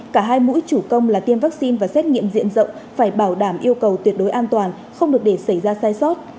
cả hai mũi chủ công là tiêm vaccine và xét nghiệm diện rộng phải bảo đảm yêu cầu tuyệt đối an toàn không được để xảy ra sai sót